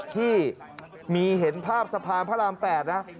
ที่มีเห็นภาพสะพานพระราม๘นะ